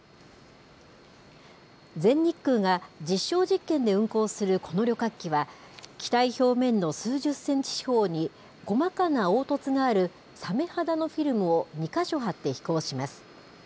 全日空が実証実験で運航するこの旅客機は、機体表面の数十センチ四方に細かな凹凸があるサメ肌のフィルムを２か所貼って飛行します。